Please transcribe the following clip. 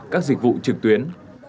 các dịch vụ trực tuyến